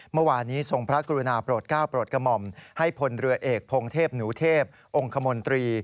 เมื่อวานนี้ทรงพระกรุณาโปรดก้าวโปรดกระหม่อมให้พลเรือเอกพงเทพหนูเทพองคมนตรี